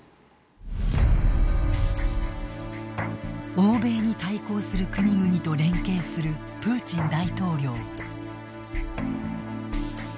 欧米に対抗する国々と連携するプーチン大統領。